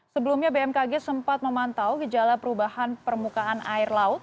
sebelumnya bmkg sempat memantau gejala perubahan permukaan air laut